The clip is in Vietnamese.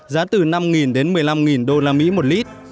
giá từ năm đến một mươi năm usd một lít